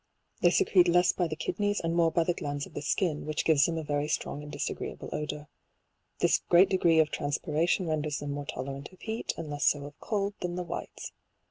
They secrete less by the kidnies, and more by the glands of the skin, which gives them a very strong and disagreeable odour. This great degree of transpiration ren ders them more tolerant of heat, and less so of cold, than the whites.